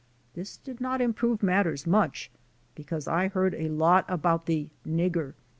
This did not improve matters much ŌĆö ^because I heard a lot about the ''nig ger."